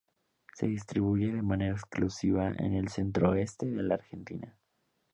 Se distribuye, de manera exclusiva, en el centro-oeste de la Argentina.